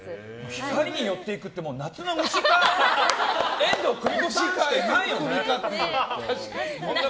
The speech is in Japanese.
光に寄っていくって夏の虫か遠藤久美子かみたいな。